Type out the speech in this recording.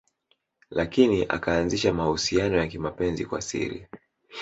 Lakini akaanzisha mahusiano ya kimapenzi kwa siri